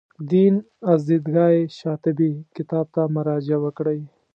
دین از دیدګاه شاطبي کتاب ته مراجعه وکړئ.